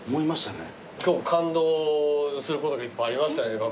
感動することがいっぱいありましたね学大来てね。